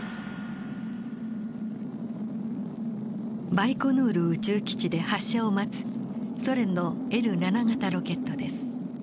バイコヌール宇宙基地で発射を待つソ連のＲ−７型ロケットです。